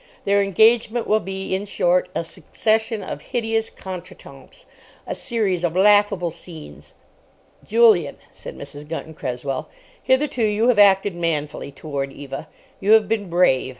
Their engagement will be, in short, a succession of hideous contretemps, a series of laughable scenes." "Julian," said Mrs. Gunton Cresswell, "hitherto you have acted manfully toward Eva. You have been brave.